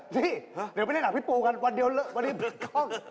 ที่เดี๋ยวไปเล่นหนังพี่ปูกันวันเดียววันนี้ห้อง